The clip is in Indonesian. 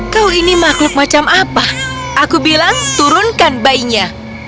kau ini makhluk macam apa aku bilang turunkan bayinya